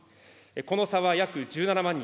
この差は約１７万人。